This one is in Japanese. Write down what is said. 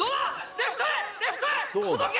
レフトへ、レフトへ、届け！